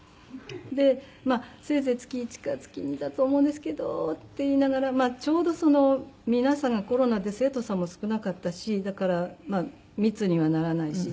でまあせいぜい月１か月２だと思うんですけどって言いながらちょうど皆さんがコロナで生徒さんも少なかったしだから密にはならないし。